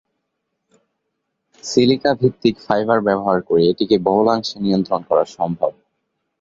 সিলিকা-ভিত্তিক fibre ব্যবহার করে এটিকে বহুলাংশে নিয়ন্ত্রণ করা সম্ভব।